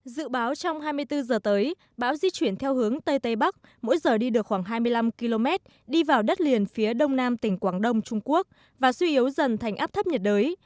dự báo trong hai mươi bốn h tới bão di chuyển theo hướng tây tây bắc mỗi giờ đi được khoảng hai mươi năm km đi vào đất liền phía đông nam tỉnh quảng đông trung quốc và suy yếu dần thành áp thấp nhiệt đới